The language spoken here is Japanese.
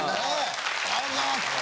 ありがとうございます。